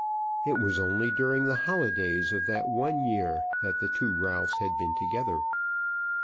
It was only during the holidays of that one year that the two Ralphs had been together.